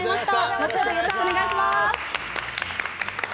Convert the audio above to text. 後ほどよろしくお願いします。